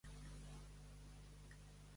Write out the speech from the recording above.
Qui era el pare de Menedem?